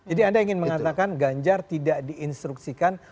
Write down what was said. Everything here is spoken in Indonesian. jadi anda ingin mengatakan ganjar tidak diinstruksikan